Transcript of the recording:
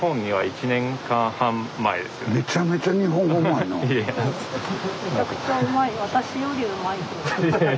めちゃくちゃうまい。